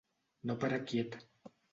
No parar quiet.